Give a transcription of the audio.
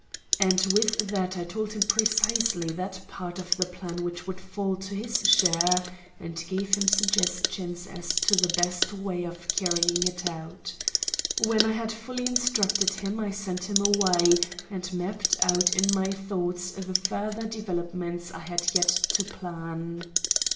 And with that I told him precisely that part of the plan which would fall to his share, and gave him suggestions as to the best way of carrying it out. When I had fully instructed him, I sent him away, and mapped out in my thoughts the further developments I had yet to plan.